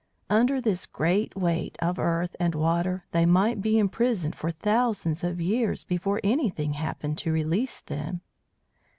Under this great weight of earth and water they might be imprisoned for thousands of years before anything happened to release them.